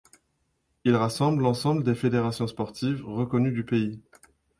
Il rassemble l'ensemble des fédérations sportives reconnues du pays.